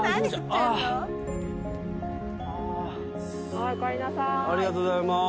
ありがとうございます。